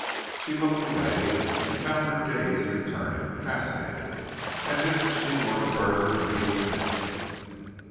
She looked away, and found her gaze returning, fascinated, as if she were a bird and he a snake.